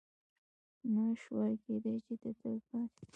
نه شوای کېدی چې د تلپاتې